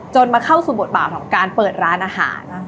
มาเข้าสู่บทบาทของการเปิดร้านอาหาร